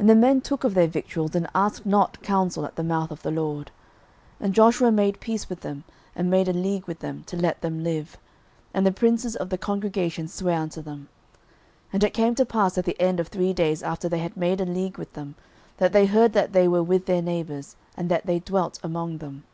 06:009:014 And the men took of their victuals, and asked not counsel at the mouth of the LORD. 06:009:015 And Joshua made peace with them, and made a league with them, to let them live: and the princes of the congregation sware unto them. 06:009:016 And it came to pass at the end of three days after they had made a league with them, that they heard that they were their neighbours, and that they dwelt among them.